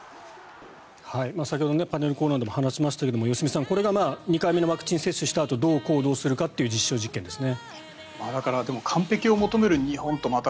先ほどパネルコーナーでも話しましたが良純さんこれが２回目のワクチン接種したあとどう行動するかという実証実験ですね。